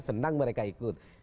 senang mereka ikut